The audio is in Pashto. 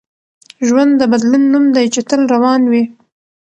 ژوند د بدلون نوم دی چي تل روان وي.